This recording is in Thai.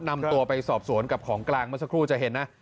นำตัวไปสอบสวนกับของกลางเมื่อสักครู่จะเห็นนะ